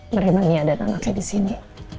merema niat dan anaknya disini